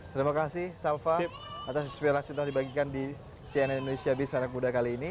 terima kasih salva atas inspirasi telah dibagikan di cnn indonesia bisnis muda kali ini